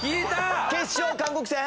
決勝韓国戦？